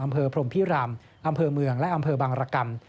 พรมพิรามอำเภอเมืองและอำเภอบังรกรรม